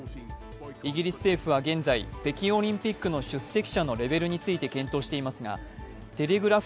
イギリス政府は現在、北京オリンピックの出席者のレベルについて検討していますが「テレグラフ」